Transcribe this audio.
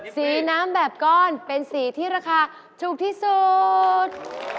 สีน้ำแบบก้อนเป็นสีที่ราคาถูกที่สุด